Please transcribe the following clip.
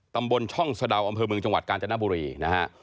ตำบลช่องสะดาวอำเภอเมืองจังหวัดกาญจนบุรีนะฮะ